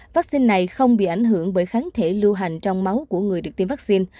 vaccine này không bị ảnh hưởng bởi kháng thể lưu hành trong máu của người được tiêm vaccine